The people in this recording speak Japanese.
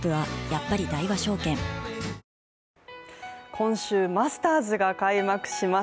今週、マスターズが開幕します。